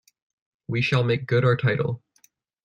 We shall make good our title.